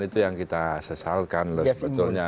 itu yang kita sesalkan loh sebetulnya